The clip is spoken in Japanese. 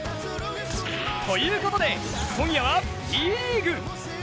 ということで今夜は、Ｂリーグ。